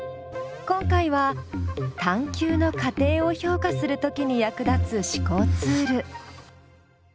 今回は探究の過程を評価するときに役立つ思考ツール。